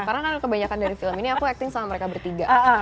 karena kan kebanyakan dari film ini aku acting sama mereka bertiga